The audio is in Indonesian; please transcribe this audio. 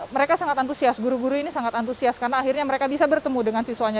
mereka sangat antusias guru guru ini sangat antusias karena akhirnya mereka bisa bertemu dengan siswanya